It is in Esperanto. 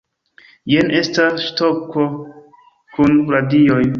Jen estas ŝtofo kun radioj!